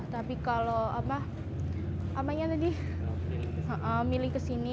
tapi kalau milih ke sini